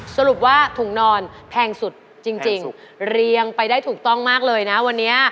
สรุปว่าถุงนอนแพงสุดจริงเรียงไปได้ถูกต้องมากเลยนะวันนี้